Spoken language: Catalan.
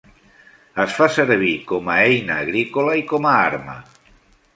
Es fa servir com a eina agrícola i com a arma.